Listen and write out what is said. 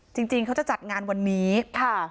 จริงจริงเขาจะจัดงานวันนี้ค่ะ